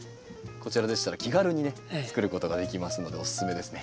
こちらでしたら気軽につくることができますのでおすすめですね。